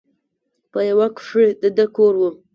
په يوه کښې د ده کور و.